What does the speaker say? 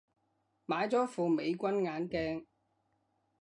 買咗副美軍眼鏡